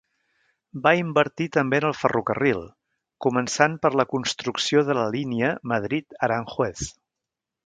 Va invertir també en el ferrocarril, començant per la construcció de la línia Madrid–Aranjuez.